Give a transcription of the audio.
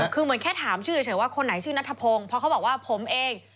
คือเหมือนแค่ถามชื่อเฉยว่าคนไหนชื่อนัทพงศ์เพราะเขาบอกว่าผมเอง